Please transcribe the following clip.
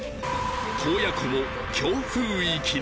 洞爺湖も強風域に